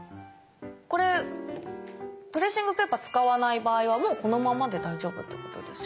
これトレーシングペーパー使わない場合はもうこのままで大丈夫ってことですか？